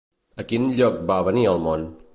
A quin lloc va venir al món?